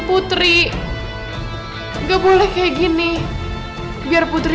putri ini semua salah gue putri